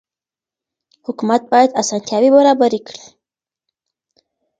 حکومت بايد اسانتياوي برابري کړي.